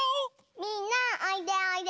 みんなおいでおいで！